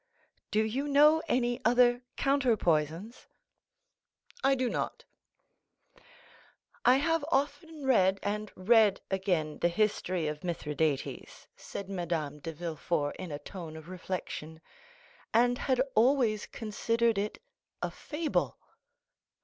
"Do you know any other counter poisons?" "I do not." "I have often read, and read again, the history of Mithridates," said Madame de Villefort in a tone of reflection, "and had always considered it a fable."